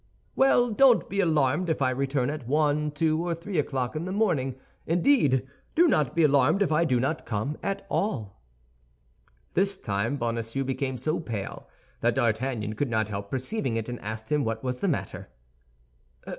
"Well, don't be alarmed if I return at one, two or three o'clock in the morning; indeed, do not be alarmed if I do not come at all." This time Bonacieux became so pale that D'Artagnan could not help perceiving it, and asked him what was the matter.